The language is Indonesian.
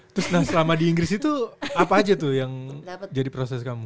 terus nah selama di inggris itu apa aja tuh yang jadi proses kamu